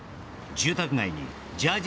住宅街にジャージ